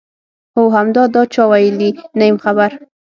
هو همدا، دا چا ویلي؟ نه یم خبر.